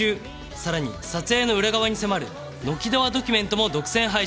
さらに撮影の裏側に迫る「ノキドアドキュメント」も独占配信